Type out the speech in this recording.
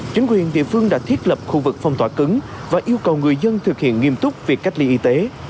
chính quyền địa phương đã thiết lập khu vực phong tỏa cứng và yêu cầu người dân thực hiện nghiêm túc việc cách ly y tế